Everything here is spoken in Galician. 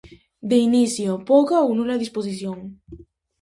De inicio, pouca ou nula disposición.